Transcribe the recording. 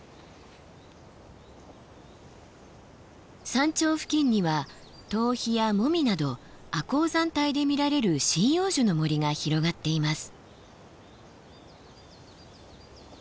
山頂付近にはトウヒやモミなど亜高山帯で見られる針葉樹の森が広がっています。